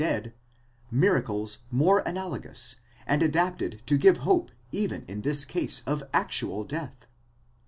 dead, miracles more analogous, and adapted to give hope even in this case of actual death?